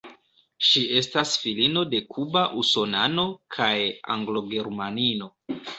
Ŝi estas filino de kuba usonano kaj anglo-germanino.